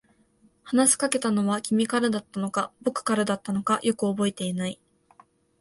話しかけたのは君からだったのか、僕からだったのか、よく覚えていない。